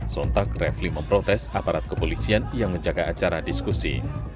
sontak refli memprotes aparat kepolisian yang menjaga acara diskusi